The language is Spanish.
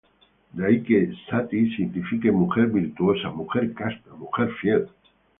De ahí que "sati" signifique ‘mujer virtuosa’, ‘mujer casta’, ‘mujer fiel’.